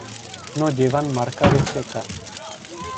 No llevan marca de ceca.